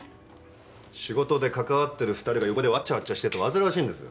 仕事で関わってる２人が横でわっちゃわっちゃしてて煩わしいんです。